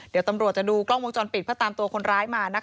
เดี๋ยวตำรวจจะดูกล้องวงจรปิดเพื่อตามตัวคนร้ายมานะคะ